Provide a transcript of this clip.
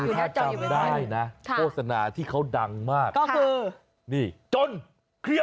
ถ้าจำได้นะโฆษณาที่เขาดังมากก็คือ